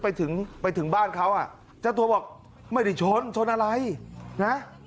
ไปถึงไปถึงบ้านเขาอ่ะเจ้าตัวบอกไม่ได้ชนชนอะไรนะ